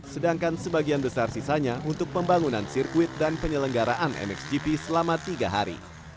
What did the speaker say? sedangkan sebagian besar sisanya untuk pembangunan sirkuit dan penyelenggaraan mxgp selama tiga hari